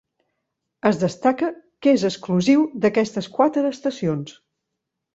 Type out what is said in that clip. Es destaca que és exclusiu d'aquestes quatre estacions.